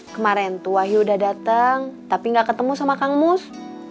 kemarin tuh wahyu udah datang tapi gak ketemu sama kang mus